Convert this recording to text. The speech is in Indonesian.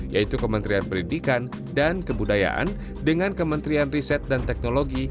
yaitu kementerian pendidikan dan kebudayaan dengan kementerian riset dan teknologi